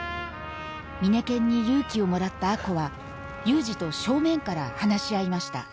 ミネケンに勇気をもらった亜子は祐二と正面から話し合いました